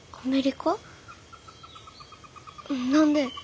何で？